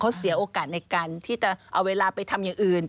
เขาเสียโอกาสในการที่จะเอาเวลาไปทำอย่างอื่น